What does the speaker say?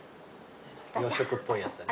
洋食っぽいやつだね。